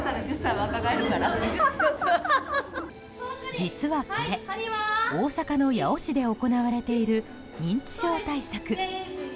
実はこれ、大阪の八尾市で行われている認知症対策。